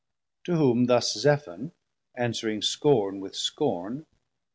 To whom thus Zephon, answering scorn with scorn.